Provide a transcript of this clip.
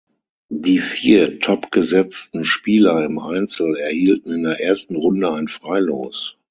Die vier topgesetzten Spieler im Einzel erhielten in der ersten Runde ein Freilos.